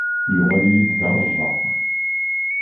Yuɣal-iyi d aṛejjaq.